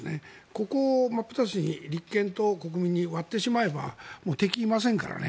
ここを真っ二つに立憲と国民に割ってしまえば敵がいませんからね。